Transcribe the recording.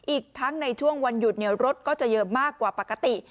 อีกทั้งในช่วงวันหยุดรถก็จะเยอะมากกว่าปกติ